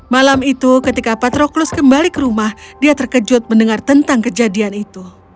malam itu ketika patroclus kembali ke rumah dia terkejut mendengar tentang kejadian itu